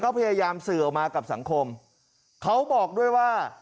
เขาพยายามสื่อออกมากับสังคมเขาบอกด้วยว่า